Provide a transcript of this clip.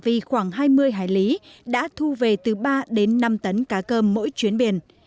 vì khoảng hai mươi hải lý đã thu về từ ba đến năm tấn cá cơm mỗi chuyến biển